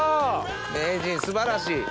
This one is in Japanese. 名人素晴らしい！